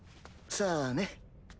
さあね。